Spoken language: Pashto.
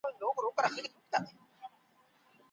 ځینې تودوخې بکتریاوو ته مناسبې دي.